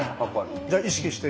じゃあ意識して。